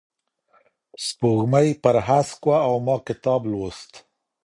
سپوږمۍ پر هسک وه او ما کتاب لوست.